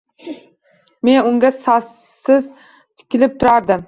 Men unga sassiz tikilib turardim.